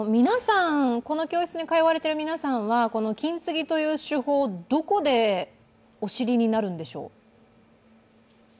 この教室に通われている皆さんは金継ぎという手法をどこでお知りになるんでしょう？